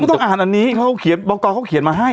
ไม่ต้องอ่านอันนี้บอกต่อเขาเขียนมาให้